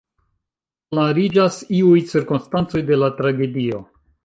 Klariĝas iuj cirkonstancoj de la tragedio.